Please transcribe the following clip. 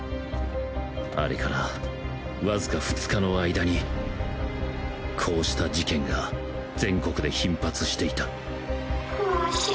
あれからわずか２日の間にこうした事件が全国で頻発していたワシュ。